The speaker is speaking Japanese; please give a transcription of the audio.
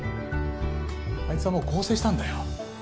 あいつはもう更生したんだよ。